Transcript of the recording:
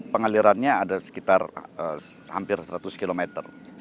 pengalirannya ada sekitar hampir seratus kilometer